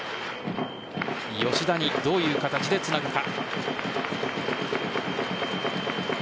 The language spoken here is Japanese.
吉田にどういう形でつなぐか。